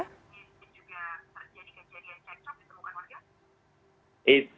itu juga terjadi kejadian cekcok di temukan warga